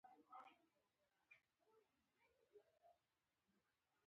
غلیظ تار ټیټ مقاومت لري.